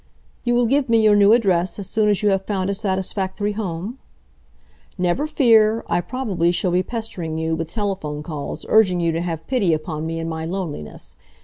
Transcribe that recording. "You will give me your new address as soon as you have found a satisfactory home?" "Never fear! I probably shall be pestering you with telephone calls, urging you to have pity upon me in my loneliness.